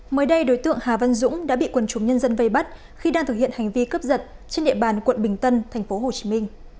mới đây đối tượng hà văn dũng đã bị quần chúng nhân dân vây bắt khi đang thực hiện hành vi cướp giật trên địa bàn quận bình tân tp hcm